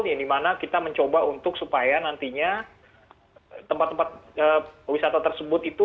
yang dimana kita mencoba untuk supaya nantinya tempat tempat wisata tersebut itu